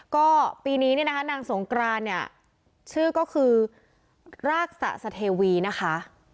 ก็ปีนี้เนี่ยนะคะนางสงกรานเนี่ยชื่อก็คือรากสะเทวีนะคะ